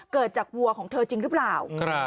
เกิดจากวัวของเธอจริงหรือเปล่า